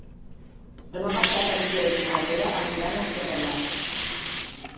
Demà passat en Quer i na Vera aniran a Torreblanca.